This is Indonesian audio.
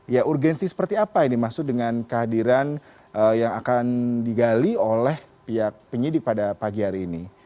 ya urgensi seperti apa yang dimaksud dengan kehadiran yang akan digali oleh pihak penyidik pada pagi hari ini